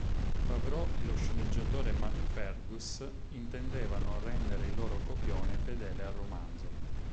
Favreau e lo sceneggiatore Mark Fergus intendevano rendere il loro copione fedele al romanzo.